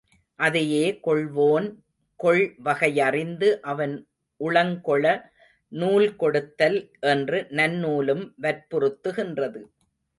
அதையே கொள்வோன் கொள் வகையறிந்து அவன் உளங்கொள நூல் கொடுத்தல் என்று நன்னூலும் வற்புறுத்துகின்றது.